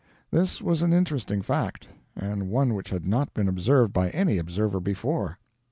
This was an interesting fact, and one which had not been observed by any observer before.